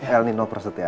el nino prasut ya